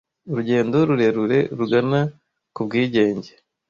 urugendo rurerure rugana ku ubwigenge